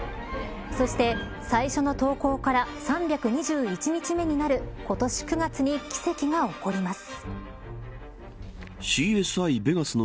そして、最初の投稿から３２１日目になる今年９月に奇跡が起こります。